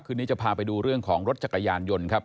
นี้จะพาไปดูเรื่องของรถจักรยานยนต์ครับ